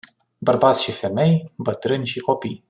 Bărbați și femei, bătrâni și copii.